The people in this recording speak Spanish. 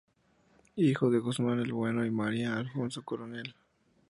Hijo de Guzmán el Bueno y María Alfonso Coronel.